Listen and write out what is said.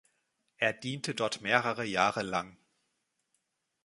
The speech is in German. Er diente dort mehrere Jahre lang.